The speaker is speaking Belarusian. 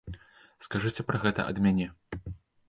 Скажыце пра гэта ад мяне.